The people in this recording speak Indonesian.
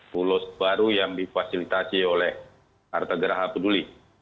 pulo sebaru yang difasilitasi oleh harta geraha peduli